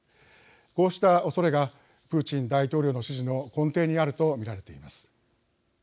こうしたおそれがプーチン大統領の支持の根底にあると見られています。